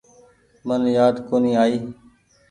من يآد ڪونيٚ آئي۔